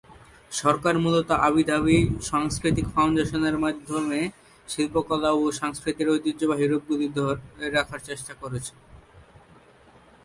সরকার মূলত Abu Dhabi সাংস্কৃতিক ফাউন্ডেশনের মাধ্যমে শিল্পকলা ও সংস্কৃতির ঐতিহ্যবাহী রূপগুলি ধরে রাখতে চেষ্টা করছে।